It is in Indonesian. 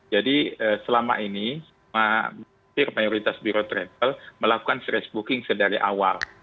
jadi selama ini mayoritas biro treble melakukan stress booking sedari awal